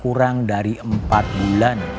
kurang dari empat bulan